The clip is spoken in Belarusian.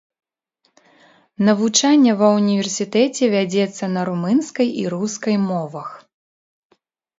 Навучанне ва ўніверсітэце вядзецца на румынскай і рускай мовах.